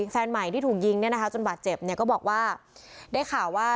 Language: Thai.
แฟนใหม่ที่ถูกยิงเนี่ยนะคะจนบาดเจ็บเนี่ยก็บอกว่าได้ข่าวว่า